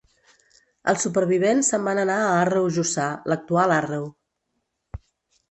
Els supervivents se'n van anar a Àrreu Jussà, l'actual Àrreu.